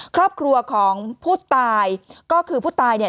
ครอบครัวของผู้ตายก็คือผู้ตายเนี่ย